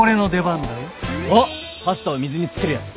あっパスタを水に漬けるやつ。